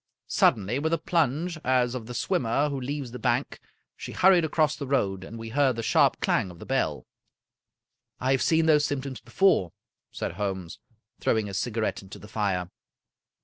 Suddenly, with a plunge, as of the swimmer who leaves the bank, she hurried across the road, and we heard the sharp clang of the bell. " I have seen those symptoms before," said Holmes, throwing his cigarette into the fire.